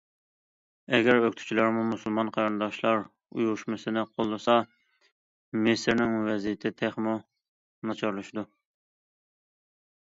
ئەگەر ئۆكتىچىلەرمۇ مۇسۇلمان قېرىنداشلار ئۇيۇشمىسىنى قوللىسا، مىسىرنىڭ ۋەزىيىتى تېخىمۇ ناچارلىشىدۇ.